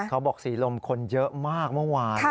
เขาบอกสีลมคนเยอะมากเมื่อวาน